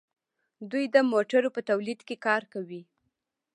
دوی د موټرو په تولید کې کار کوي.